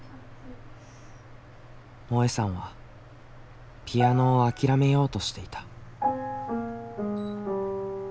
もえさんはピアノを諦めようとしていた。